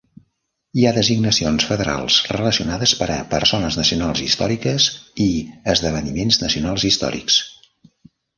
Hi ha designacions federals relacionades per a "Persones nacionals històriques" i "Esdeveniments nacionals històrics".